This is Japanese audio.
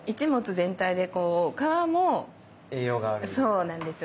そうなんですよ。